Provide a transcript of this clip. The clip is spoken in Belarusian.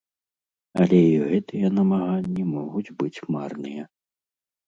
Але і гэтыя намаганні могуць быць марныя.